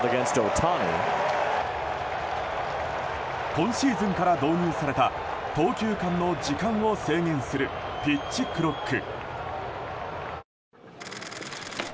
今シーズンから導入された投球間の時間を制限するピッチクロック。